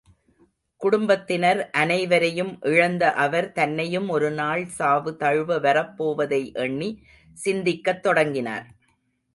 குடும்பத்தினர் அனைவரையும் இழந்த அவர், தன்னையும் ஒருநாள் சாவு தழுவ வரப்போவதை எண்ணி சிந்திக்கத் தொடங்கினார்.